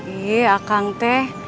iya akang teh